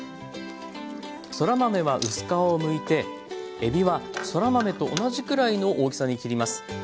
そら豆は薄皮をむいてえびはそら豆と同じくらいの大きさに切ります。